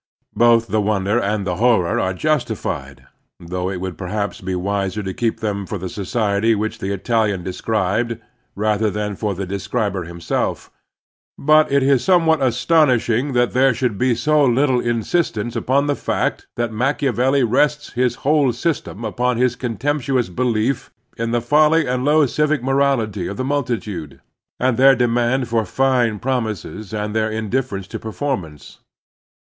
Both the wonder and the horror are justified, — ^though it would perhaps be wiser to keep them for the society which the Italian described rather than for the describer himself, — ^but it is somewhat astonishing that there should be so little insistence upon the fact that Machiavelli rests his whole system upon his contemptuous belief in the folly and low civic morality of the mtiltitude, and their demand for fine promises and their indifference to perform ance.